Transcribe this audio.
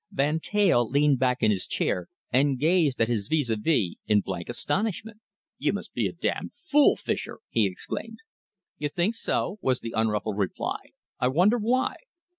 Van Teyl learned back in his chair and gazed at his vis a vis in blank astonishment. "You must be a damned fool, Fischer!" he exclaimed. "You think so?" was the unruffled reply. "I wonder why?"